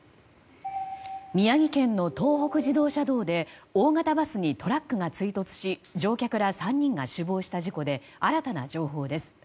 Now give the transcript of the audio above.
宮城県の東北自動車道で大型バスにトラックが追突し乗客ら３人が死亡した事故で新たな情報です。